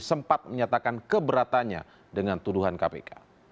sempat menyatakan keberatannya dengan tuduhan kpk